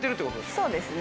そうですね。